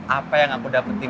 apa yang aku dapetin